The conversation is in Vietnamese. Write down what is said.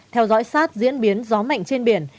theo dõi sát diễn biến gió mạnh trên biển